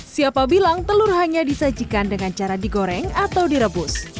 siapa bilang telur hanya disajikan dengan cara digoreng atau direbus